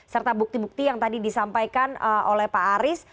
serta bukti bukti yang tadi disampaikan oleh pak aris